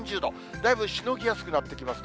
だいぶしのぎやすくなってきますね。